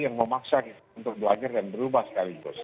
yang memaksa kita untuk belajar dan berubah sekaligus